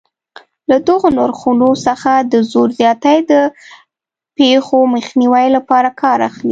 له دغو نرخونو څخه د زور زیاتي د پېښو مخنیوي لپاره کار اخلي.